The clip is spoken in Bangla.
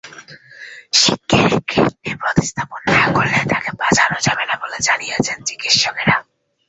শিগগিরই কিডনি প্রতিস্থাপন না করলে তাঁকে বাঁচানো যাবে না বলে জানিয়েছেন চিকিৎসকেরা।